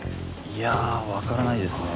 いやあわからないですね。